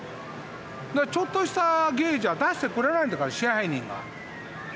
ちょっとした芸じゃ出してくれないんだから支配人が。